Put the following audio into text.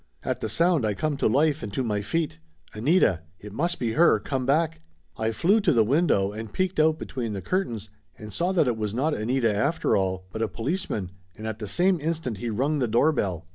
At the sound I come to life and to my feet. Anita! It must be her, come back. I flew to the window and peeked out between the curtains and saw that it was not Anita after all, but a policeman, and at the same instant he rung the doorbell.